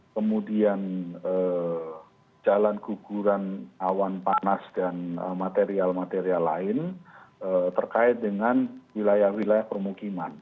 kemudian jalan guguran awan panas dan material material lain terkait dengan wilayah wilayah permukiman